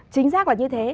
chính xác là như thế